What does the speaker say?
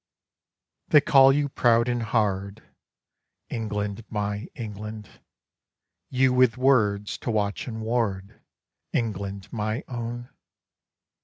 They call you proud and hard, England, my England: You with worlds to watch and ward, England, my own!